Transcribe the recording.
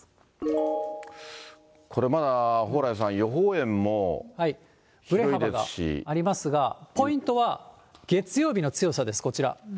これまだ蓬莱さん、予報円も振れ幅がありますが、ポイントは月曜日の強さです、こちら。